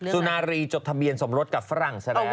สุนารีจดทะเบียนสมรสกับฝรั่งซะแล้ว